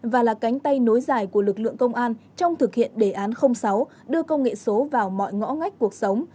và là cánh tay nối dài của lực lượng công an trong thực hiện đề án sáu đưa công nghệ số vào mọi ngõ ngách cuộc sống